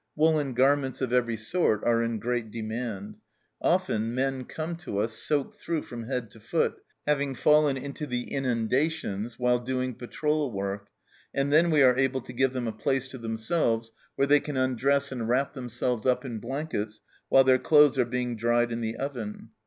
Woollen garments of every sort are in great demand. Often men come to us soaked through from head to foot, having fallen into the inunda tions while doing patrol work, and then we are able to give them a place to themselves where they can undress and wrap themselves up in blankets, while their clothes are being dried in the oven.